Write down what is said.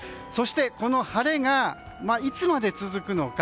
この晴れがいつまで続くのか。